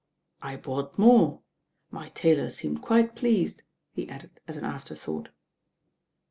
"I bought more. My tailor seemed quite pleased," he added as an afterthought.